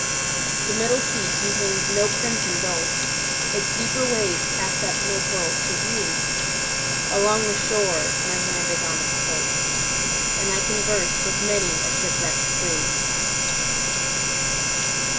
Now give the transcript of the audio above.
The middle sea contains no crimson dulse, Its deeper waves cast up no pearls to view; Along the shore my hand is on its pulse, And I converse with many a shipwrecked crew.